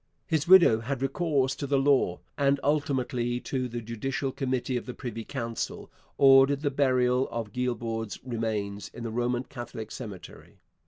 His widow had recourse to the law, and ultimately the Judicial Committee of the Privy Council ordered the burial of Guibord's remains in the Roman Catholic cemetery.